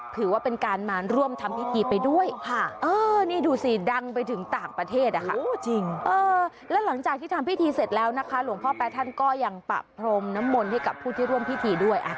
ถึงว่าเป็นการร่วมทำพิธีไปด้วยดูสิดังไปถึงต่างประเทศแล้วหลังจากที่ทำพิธีเสร็จหลวงพ่อแม่ท่านก็ประโปรมน้ำมนต์ให้กับผู้ที่ร่วมพิธีด้วย